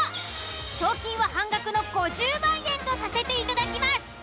賞金は半額の５０万円とさせていただきます。